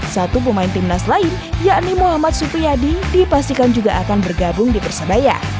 satu pemain timnas lain yakni muhammad supriyadi dipastikan juga akan bergabung di persebaya